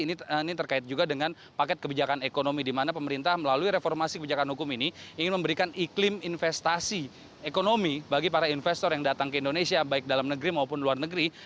ini terkait juga dengan paket kebijakan ekonomi di mana pemerintah melalui reformasi kebijakan hukum ini ingin memberikan iklim investasi ekonomi bagi para investor yang datang ke indonesia baik dalam negeri maupun luar negeri